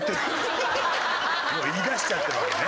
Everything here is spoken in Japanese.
言いだしちゃってるわけね。